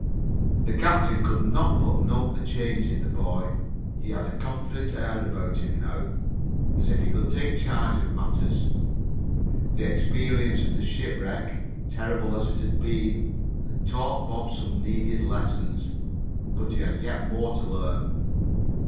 The captain could not but note the change in the boy. He had a confident air about him now, as if he could take charge of matters. The experience of the shipwreck, terrible as it had been, had taught Bob some needed lessons. But he had yet more to learn.